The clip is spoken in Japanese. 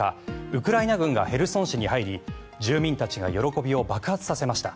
ウクライナ軍がヘルソン市に入り住民たちが喜びを爆発させました。